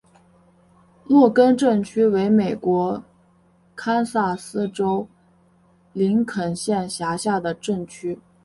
洛根镇区为美国堪萨斯州林肯县辖下的镇区。